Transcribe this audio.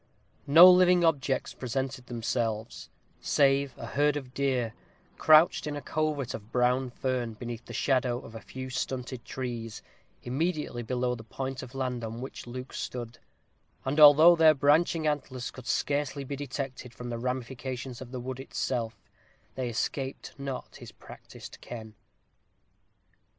No living objects presented themselves, save a herd of deer, crouched in a covert of brown fern beneath the shadow of a few stunted trees, immediately below the point of land on which Luke stood; and although their branching antlers could scarcely be detected from the ramifications of the wood itself, they escaped not his practised ken.